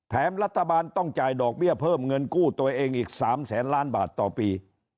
รัฐบาลต้องจ่ายดอกเบี้ยเพิ่มเงินกู้ตัวเองอีก๓แสนล้านบาทต่อปี